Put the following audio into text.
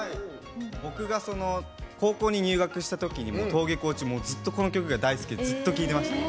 僕が高校に入学したときに登下校中、ずっとこの曲が大好きでずっと聴いてました。